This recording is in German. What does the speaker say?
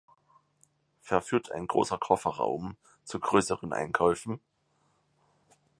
Verführt ein großer Kofferraum zu größeren Einkäufen?